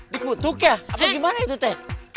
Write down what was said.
dikutuk ya apa gimana itu teh